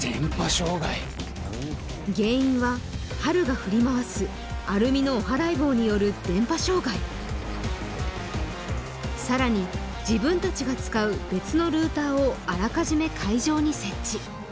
障害原因はハルが振り回すアルミのおはらい棒による電波障害さらに自分達が使う別のルーターをあらかじめ会場に設置